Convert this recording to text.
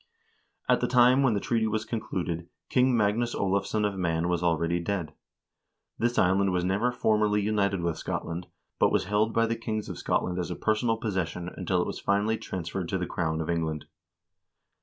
1 At the time when the treaty was concluded, King Magnus Olavsson of Man was already dead. This island was never formally united with Scotland, but was held by the kings of Scotland as a personal possession until it was finally transferred to the crown of England.